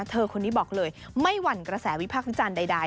เธอคนนี้บอกเลยไม่หวั่นกระแสวิพากษ์วิจารณ์ใด